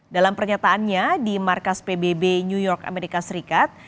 dalam pernyataannya di markas pbb new york amerika serikat